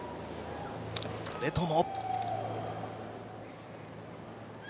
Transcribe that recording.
それとも。